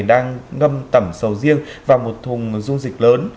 đang ngâm tẩm sầu riêng và một thùng dung dịch lớn